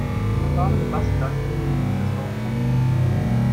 Erfahrene Bastler können den Prozessor auch köpfen.